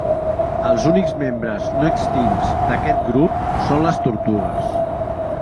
Els únics membres no extints d'aquest grup són les tortugues.